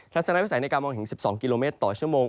ทัศนวิสัยในการมองเห็น๑๒กิโลเมตรต่อชั่วโมง